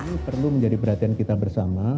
ini perlu menjadi perhatian kita bersama